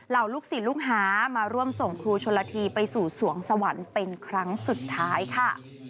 ลูกศิษย์ลูกหามาร่วมส่งครูชนละทีไปสู่สวงสวรรค์เป็นครั้งสุดท้ายค่ะ